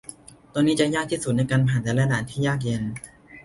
ตอนนี้จะยากที่สุดในการผ่านแต่ละด่านที่ยากเย็น